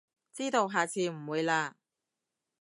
知道，下次唔會喇